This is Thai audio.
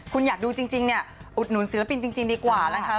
คุณอยากดูจริงเนี่ยอุดหนุนศิลปินจริงดีกว่านะคะ